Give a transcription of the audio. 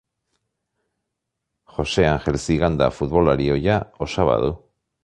Jose Angel Ziganda futbolari ohia osaba du.